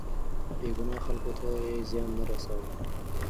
بې ګناه خلکو ته يې زيان نه رساوه.